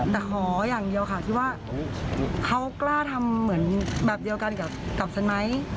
แต่ขออย่างเดียวค่ะที่ว่าเขากล้าทำเหมือนแบบเดียวกันกับฉันไหม